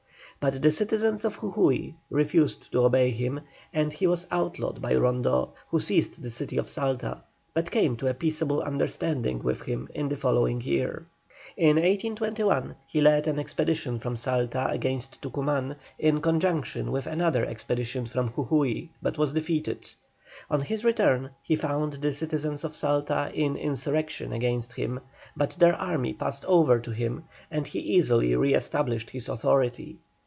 But the citizens of Jujui refused to obey him, and he was outlawed by Rondeau, who seized the city of Salta, but came to a peaceable understanding with him in the following year. In 1821 he led an expedition from Salta against Tucuman, in conjunction with another expedition from Jujui, but was defeated. On his return he found the citizens of Salta in insurrection against him, but their army passed over to him, and he easily re established his authority.